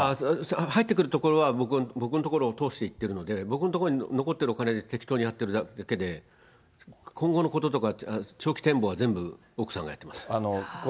入ってくるところは、僕のところを通していってるので、僕のところに残ってるお金で適当にやってるだけで、今後のこととか、長期展望は全部奥さんがやってます。